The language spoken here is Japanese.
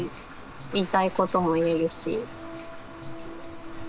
言いたいことも言えるし。